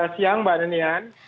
siang mbak nenian